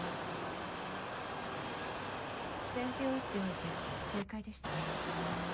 先手を打っておいて正解でしたね。